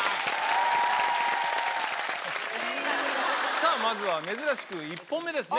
さぁまずは珍しく１本目ですね